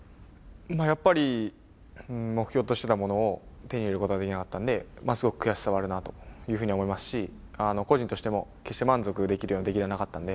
やっぱり目標としてたものを手に入れることができなかったんで、すごく悔しさはあるなというふうに思いますし、個人としても決して満足できるようなできではなかったので。